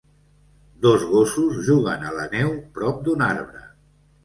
Dos gossos juguen a la neu prop d'un arbre.